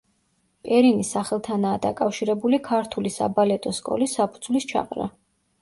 პერინის სახელთანაა დაკავშირებული ქართული საბალეტო სკოლის საფუძვლის ჩაყრა.